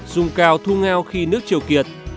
dùng cào thu ngao khi nước chiều kiệt